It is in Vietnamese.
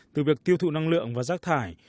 từ việc tiêu thụ năng lượng và rác thải